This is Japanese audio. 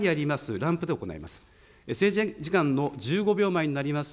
ランプで行います。